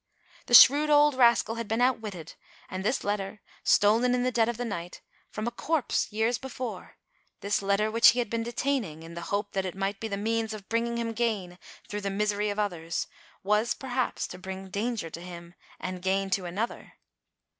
The shrewd old rascal had been outwit ted, and this letter, stolen in the dead of the night, from a corpse,, years before — this letter, which he had been detaining, in the hope that it might be the means of bringing him gain, through the misery of others, was, perhaps, to bring danger to him and gain to another.